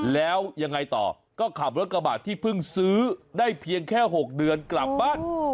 แล้วยังไงต่อก็ขับรถกระบาดที่เพิ่งซื้อได้เพียงแค่๖เดือนกลับบ้าน